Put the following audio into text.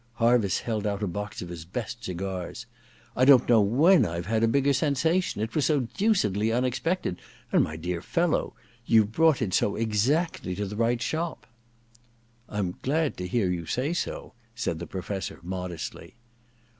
Harviss held out a box of his best cigars. *I don't know when I've had a bigger sensation. It was so deucedly unexpected— and, my dear fellow, you've brought it so exactly to the right shop.' *rm glad to hear you say so,' said the Professor modestly.